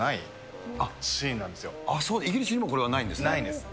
イギリスにもこれはないんでないんです。